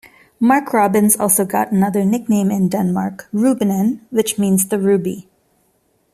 Mark Robins also got another nickname in Denmark "Rubinen" which means the ruby.